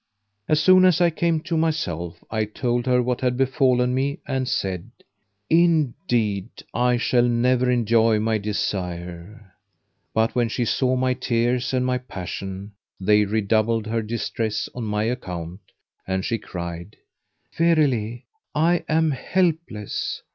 As soon as I came to myself, I told her what had befallen me and said, Indeed, I shall never enjoy my desire." But when she saw my tears and my passion, they redoubled her distress on my account, and she cried, "Verily, I am helpless!